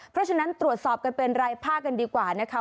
เพราะฉะนั้นตรวจสอบกันเป็นรายภาคกันดีกว่านะคะ